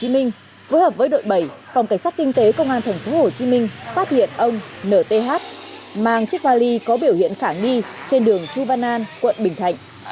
màng chiếc vali có biểu hiện khả nghi trên đường chu van an quận bình thạnh